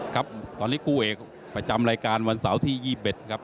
ครับตอนนี้คู่เอกประจำรายการวันเสาร์ที่๒๑ครับ